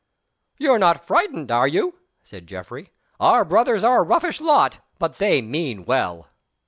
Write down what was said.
"You're not frightened, are you?" said Geoffrey. "Our fellows are a roughish lot, but they mean well."